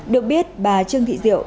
được biết bà trương thị diệu